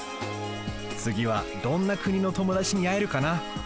つぎはどんなくにのともだちにあえるかな？